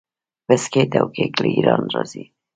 بسکیټ او کیک له ایران راځي.